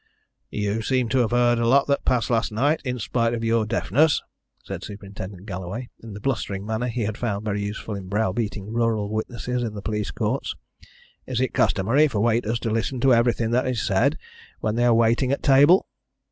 "You seem to have heard a lot that passed last night in spite of your deafness," said Superintendent Galloway, in the blustering manner he had found very useful in browbeating rural witnesses in the police courts. "Is it customary for waiters to listen to everything that is said when they are waiting at table?"